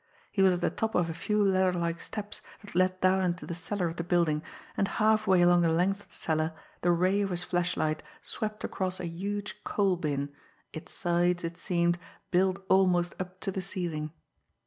He was at the top of a few ladder like steps that led down into the cellar of the building, and halfway along the length of the cellar the ray of his flashlight swept across a huge coal bin, its sides, it seemed, built almost up to the ceiling.